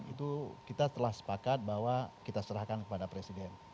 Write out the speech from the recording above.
itu kita telah sepakat bahwa kita serahkan kepada presiden